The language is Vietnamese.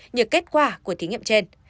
như kết quả của thí nghiệm trên